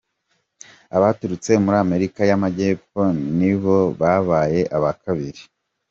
Abaturutse muri Amerika y'Amajyepfo ni bo babaye aba kabiri.